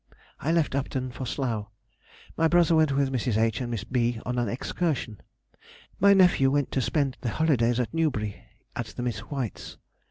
_—I left Upton for Slough. My brother went with Mrs. H. and Miss B. on an excursion. My nephew went to spend the holidays at Newbury, at the Miss Whites.